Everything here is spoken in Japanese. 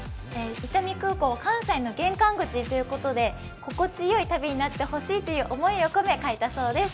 伊丹空港、関西の玄関口ということで心地よい旅になってほしいという思いを込め書いたそうです。